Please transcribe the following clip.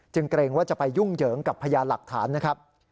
เกรงว่าจะไปยุ่งเหยิงกับพยานหลักฐานนะครับ